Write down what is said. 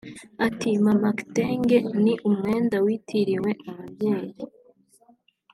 Ati “ Mama Kitenge ni umwenda witiriwe ababyeyi